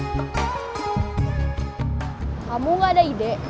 kamu gak ada ide